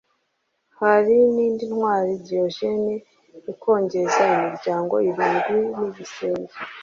Harindintwari Diogene ikongeza imiryango irindwi n’igisenge